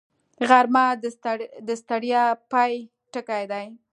غرمه د ستړیا پای ټکی دی